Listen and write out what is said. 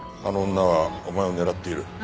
あの女はお前を狙っている。